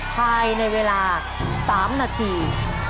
ภายในเวลา๓นาที